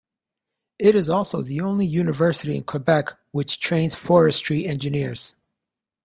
It is also the only university in Quebec which trains forestry engineers.